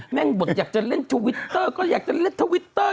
แม่งบทอยากจะเล่นทวิตเตอร์ก็อยากจะเล่นทวิตเตอร์